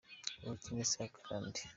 Ubukene si akarande.